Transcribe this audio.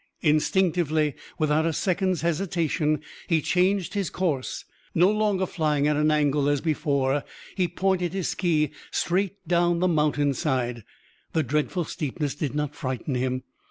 Instinctively, without a second's hesitation, he changed his course. No longer flying at an angle as before, he pointed his ski straight down the mountain side. The dreadful steepness did not frighten him.